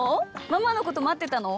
ママの事待ってたの？